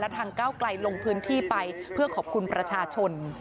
ทางก้าวไกลลงพื้นที่ไปเพื่อขอบคุณประชาชน